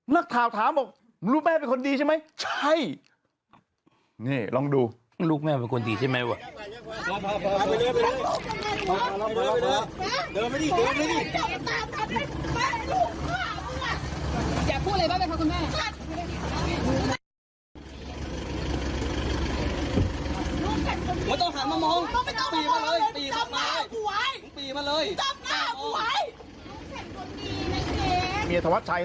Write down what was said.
นักข่าวถามบอกลูกแม่เป็นคนดีใช่ไหมใช่นี่ลองดูลูกแม่เป็นคนดีใช่ไหมว่ะ